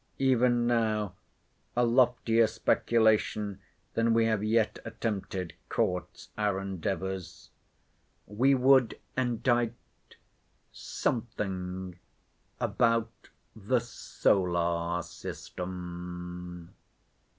Even now a loftier speculation than we have yet attempted, courts our endeavours. We would indite something about the Solar System.